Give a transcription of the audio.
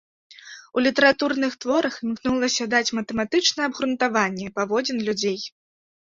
У літаратурных творах імкнулася даць матэматычнае абгрунтаванне паводзін людзей.